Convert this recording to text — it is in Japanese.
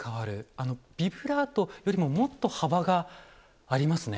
あのビブラートよりももっと幅がありますね。